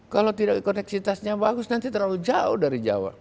kalau tidak koneksitasnya bagus nanti terlalu jauh dari jawa